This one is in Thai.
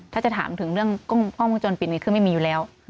ถ้าจะถามถึงเรื่องกล้องวงจรปิดนี้คือไม่มีอยู่แล้ว